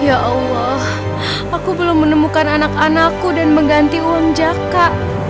ya allah aku belum menemukan anak anakku dan mengganti uang jaka